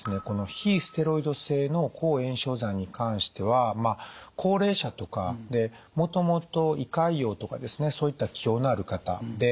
この非ステロイド性の抗炎症剤に関しては高齢者とかもともと胃潰瘍とかですねそういった既往のある方。